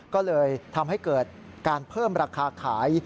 ก็เลยทำให้เกิดการเพิ่มราคาขาย